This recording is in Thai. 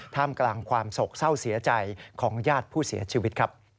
ท่ามกลางความโศกเศร้าเสียใจของญาติผู้เสียชีวิตครับ